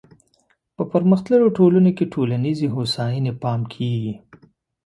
په پرمختللو ټولنو کې ټولنیزې هوساینې پام کیږي.